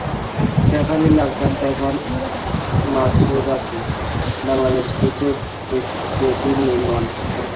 Referee লাল card দেখান মাসুরাকে, বাংলাদেশের কোচের চোখে যেটি নির্মম সিদ্ধান্ত।